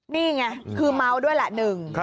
นี่ไงคือเมาด้วยแหละหนึ่ง